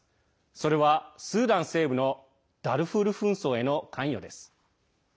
それはスーダン西部のダルフール紛争への関与です。